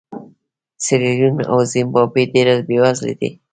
سیریلیون او زیمبابوې ډېر بېوزله دي.